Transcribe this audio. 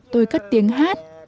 tôi cất tiếng hát